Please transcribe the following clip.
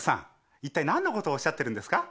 いったい何のことをおっしゃってるんですか？